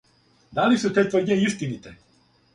Да ли су те тврдње истините?